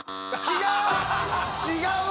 違う？